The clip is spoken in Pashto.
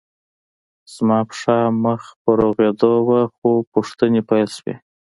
زما پښه مخ په روغېدو وه خو پوښتنې پیل شوې